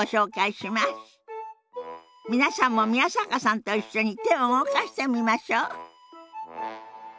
皆さんも宮坂さんと一緒に手を動かしてみましょう。